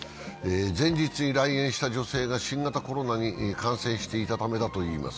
前日に来園した女性が新型コロナに感染していたためだといいます。